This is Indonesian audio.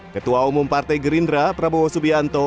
ketua umum partai gerindra prabowo subianto